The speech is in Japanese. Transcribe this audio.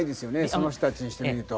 その人たちにしてみると。